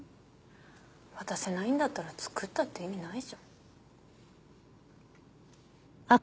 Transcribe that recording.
渡せないんだったら作ったって意味ないじゃん。